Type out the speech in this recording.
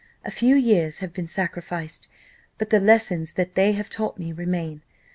A few years have been sacrificed; but the lessons that they have taught me remain.